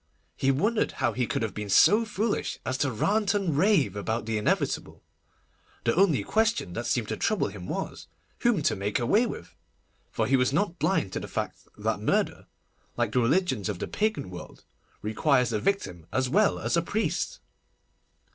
He wondered how he could have been so foolish as to rant and rave about the inevitable. The only question that seemed to trouble him was, whom to make away with; for he was not blind to the fact that murder, like the religions of the Pagan world, requires a victim as well as a priest.